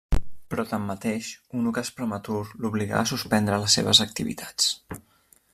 Però tanmateix, un ocàs prematur l'obligà a suspendre les seves activitats.